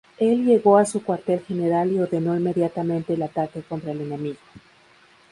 El llegó a su cuartel general y ordenó inmediatamente el ataque contra el enemigo.